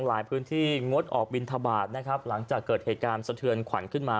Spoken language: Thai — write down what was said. หลายพื้นที่งดออกบินทบาทนะครับหลังจากเกิดเหตุการณ์สะเทือนขวัญขึ้นมา